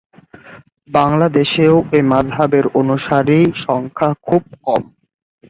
বাংলাদেশেও এ মাযহাবের অনুসারী সংখ্যা খুব কম।